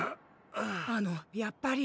あのやっぱり。